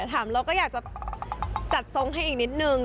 ถามเราก็อยากจะจัดทรงให้อีกนิดนึง